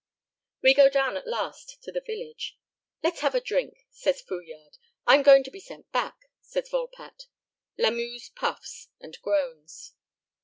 We go down at last to the village. "Let's have a drink," says Fouillade. "I'm going to be sent back," says Volpatte. Lamuse puffs and groans.